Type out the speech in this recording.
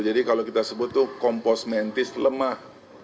jadi kalau kita sebut tuh komposmentis lemah